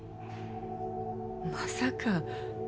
まさか